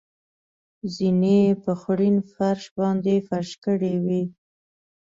زېنې یې په خوړین فرش باندې فرش کړې وې.